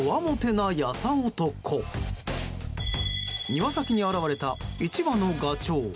庭先に現れた１羽のガチョウ。